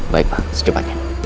baik pak secepatnya